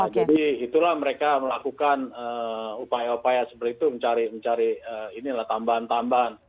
jadi itulah mereka melakukan upaya upaya seperti itu mencari tambahan tambahan